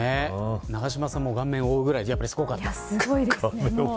永島さんも顔面を覆うくらいすごかった。